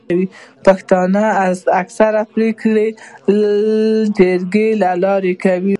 پښتانه اکثريت پريکړي د جرګي د لاري کوي.